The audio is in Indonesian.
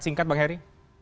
singkat bang heri